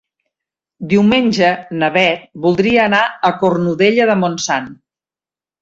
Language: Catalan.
Diumenge na Bet voldria anar a Cornudella de Montsant.